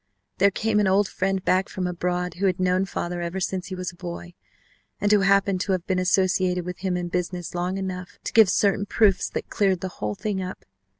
There came an old friend back from abroad who had known father ever since he was a boy, and who happened to have been associated with him in business long enough to give certain proofs that cleared the whole thing up.